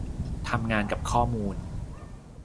ทำงานกับข้อมูล